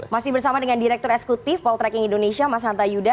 masih bersama dengan direktur eksekutif poltreking indonesia mas hanta yuda